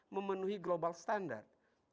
memenuhi global standard